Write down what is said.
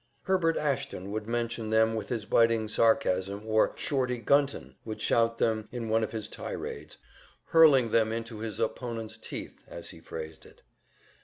Herbert Ashton would mention them with his biting sarcasm, or "Shorty" Gunton would shout them in one of his tirades "hurling them into his opponents teeth," as he phrased it.